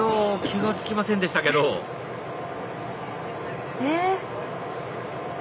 気が付きませんでしたけどえ。